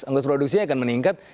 ongkos produksinya akan meningkat